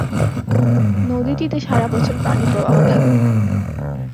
নদীটিতে সারাবছর পানিপ্রবাহ থাকে।